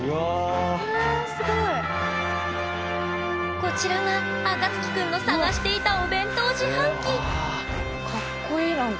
こちらがあかつき君の探していたお弁当自販機かっこいい何か。